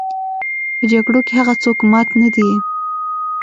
په جګړو کې هغه څوک مات نه دي.